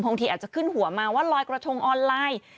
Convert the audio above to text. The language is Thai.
ทีอาจจะขึ้นหัวมาว่าลอยกระทงออนไลน์